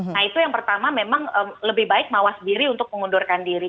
nah itu yang pertama memang lebih baik mawas diri untuk mengundurkan diri